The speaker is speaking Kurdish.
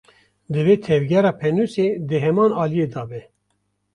Divê tevgera pênûsê di heman aliyî de be.